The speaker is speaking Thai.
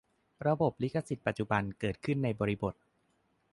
ระบบลิขสิทธิ์ปัจจุบันเกิดขึ้นในบริบท